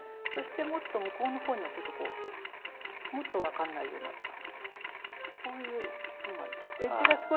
そしてもっと向こうの方にもちょっとこうもっと分かんないようなこういうのが。